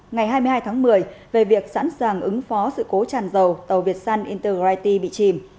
ngày hai mươi hai tháng một mươi về việc sẵn sàng ứng phó sự cố tràn dầu tàu viet sun intergrity bị chìm